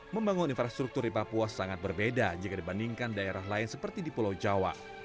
membangun infrastruktur di papua sangat berbeda jika dibandingkan daerah lain seperti di pulau jawa